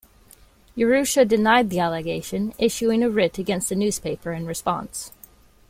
Urrutia denied the allegation issuing a writ against the newspaper in response.